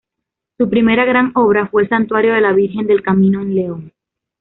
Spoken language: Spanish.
Su primera gran obra fue el santuario de la Virgen del Camino en León.